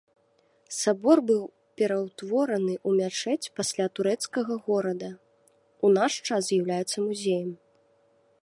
Сабор быў пераўтвораны ў мячэць пасля турэцкага горада, у наш час з'яўляецца музеем.